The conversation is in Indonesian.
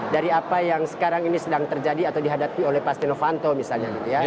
dari apa yang sekarang ini sedang terjadi atau dihadapi oleh pastinovanto misalnya